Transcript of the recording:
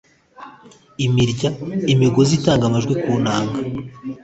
imirya imigozi itanga amajwi ku nanga